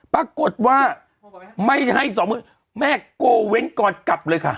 ปรากฏว่าไม่ให้สองหมื่นแม่โกเว้นก่อนกลับเลยค่ะ